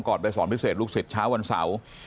ไปสอนพิเศษลูกศิษย์เช้าวันเสาร์